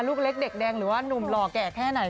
ลูกเล็กเด็กแดงหรือว่านุ่มหล่อแก่แค่ไหน